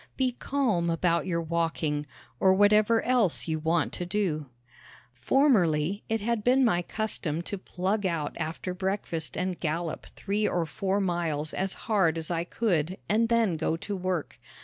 Be calm about your walking, or whatever else you do." Formerly it had been my custom to plug out after breakfast and gallop three or four miles as hard as I could and then go to work.